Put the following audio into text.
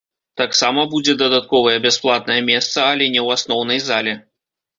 Таксама будзе дадатковае бясплатнае месца, але не ў асноўнай зале.